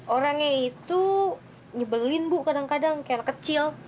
orangnya itu nyebelin bu kadang kadang kayak kecil